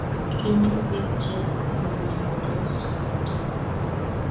Kinyiy piik Che imnyandos sipitali